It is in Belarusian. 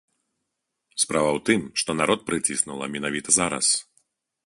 Справа ў тым, што народ прыціснула менавіта зараз.